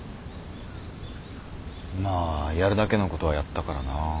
まあやるだけのことはやったからな。